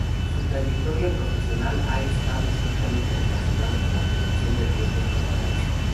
Su trayectoria profesional ha estado estrechamente relacionada con la prevención de riesgos laborales.